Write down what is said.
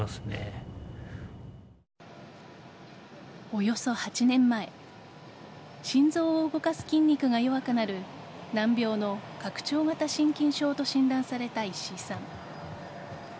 およそ８年前心臓を動かす筋肉が弱くなる難病の拡張型心筋症と診断された石井さん。